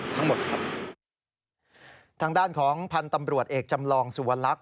ทางด้านของพันธุ์ตำรวจเอกจำลองสูวรรณรักษ์